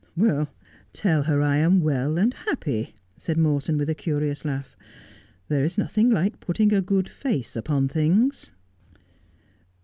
' Tell her I am well and happy,' said Morton, with a curious laugh. 'There is nothing like putting a good face upon things.'